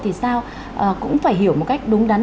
thì sao cũng phải hiểu một cách đúng đắn